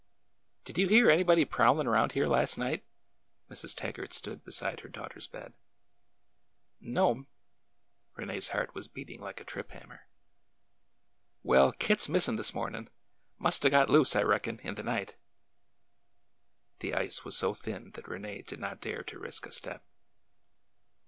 Did you hear anybody prowlin' around here last night?" Mrs. Taggart stood beside her daughter's bed. " No!m." Rene's heart was beating like a trip hammer. Well, Kit 's missin' this mornin'. Must 'a' got loose, I reckon, in the night." The ice was so thin that Rene did not dare to risk a step.